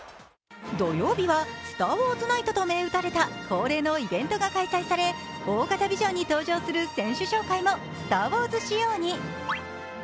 土曜日は、スター・ウォーズ・ナイトと銘打たれた恒例のイベントが開催され大型ビジョンに紹介する選手紹介も「スター・ウォーズ」仕様に。